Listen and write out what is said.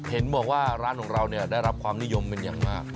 เห็นบอกว่าร้านของเราได้รับความนิยมเป็นอย่างมาก